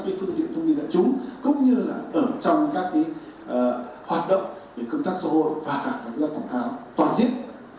bộ thông tin thông tin thông tin đã trúng cũng như là ở trong các hoạt động về cơ quan thông tin và các dân quảng cáo toàn diện